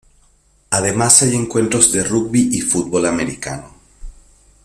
Además hay encuentros de rugby y fútbol americano.